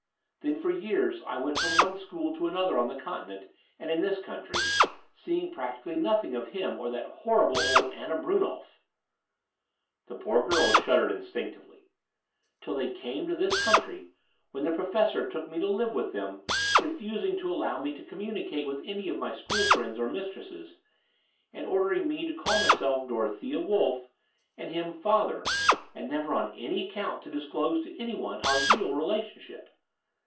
Then for years I went from one school to another on the Continent and in this country, seeing practically nothing of him or that horrible old Anna Brimnolf "— the poor girl shud dered instinctively — "till they came to this country, when the Professor took me to live with them, refusing to allow me to commimicate with any of my school friends or mistresses, and order ing me to call mjrself * Dorothea WolflE' and him 'father,' and never on any account to disclose to any one our real relationship.